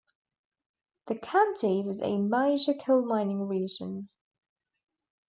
The county was a major coal-mining region.